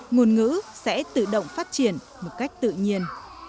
ngôn ngữ sẽ tự động phát triển một cách tự nhiên